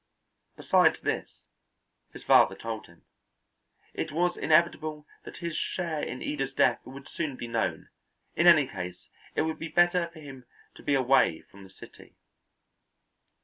Besides this, his father told him, it was inevitable that his share in Ida's death would soon be known; in any case it would be better for him to be away from the city.